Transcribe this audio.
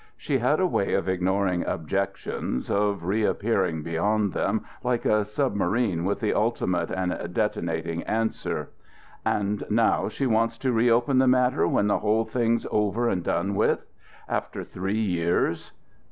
She had a way of ignoring objections, of reappearing beyond them like a submarine with the ultimate and detonating answer. "And now she wants to reopen the matter when the whole thing's over and done with. After three years.